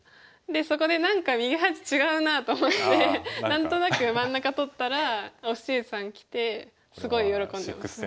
でそこで何か右端違うなと思って何となく真ん中取ったら於之瑩さんがきてすごい喜んでました。